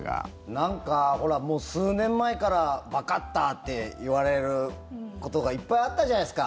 なんかほらもう数年前からバカッターって言われることがいっぱいあったじゃないですか。